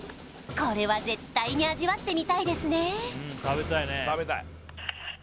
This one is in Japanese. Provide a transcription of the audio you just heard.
これは絶対に味わってみたいですね